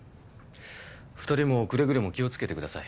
２人もくれぐれも気をつけてください。